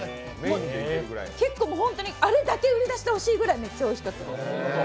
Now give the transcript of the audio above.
本当にあれだけ売り出してほしいぐらいめっちゃおいしかった。